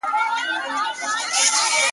زوی له ډېره کیبره و ویله پلار ته,